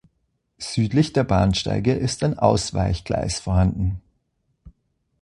Südlich der Bahnsteige ist ein Ausweichgleis vorhanden.